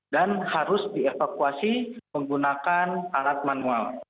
dan harus dievakuasi menggunakan alat manual